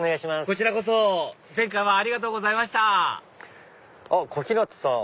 こちらこそ前回はありがとうございました小日向さん